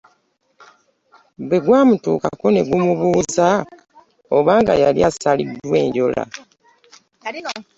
Bwe gwamutuukako ne gumubuuza oba nga yali asaliddwa enjola.